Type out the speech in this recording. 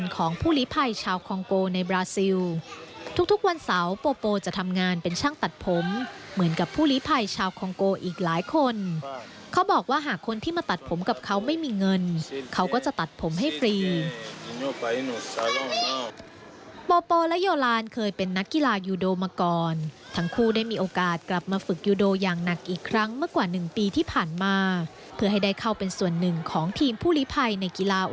ของผู้ลิภัยชาวคองโกในบราซิลทุกวันเสาร์โปโปจะทำงานเป็นช่างตัดผมเหมือนกับผู้ลิภัยชาวคองโกอีกหลายคนเขาบอกว่าหากคนที่มาตัดผมกับเขาไม่มีเงินเขาก็จะตัดผมให้ฟรีโปโปและโยลานเคยเป็นนักกีฬายูโดมาก่อนทั้งคู่ได้มีโอกาสกลับมาฝึกยูโดอย่างหนักอีกครั้งเมื่อกว่า๑ปีที่ผ่านมาเพื่อให้ได้เข้าเป็นส่วนหนึ่งของทีมผู้ลิภัยในกีฬา